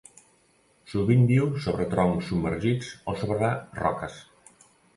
Sovint viu sobre troncs submergits o sobre roques.